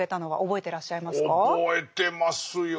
覚えてますよ。